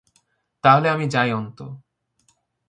তাহলে আমি যাই অন্তু।